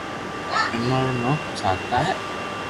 آٺوا رو نوم سآتا ھي